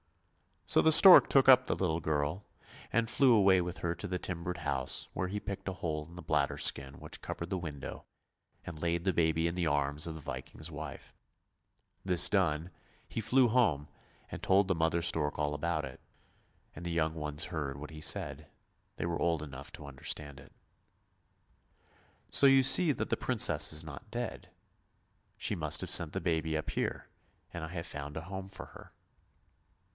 So the stork took up the little girl and flew away with her to the timbered house where he picked a hole in the bladder skin which covered the window, and laid the baby in the arms of the Viking's wife. This done, he flew home and told the mother stork all about it ; and the young ones heard what he said, they were old enough to understand it. " So you see that the Princess is not dead; she must have sent the baby up here, and I have found a home for her."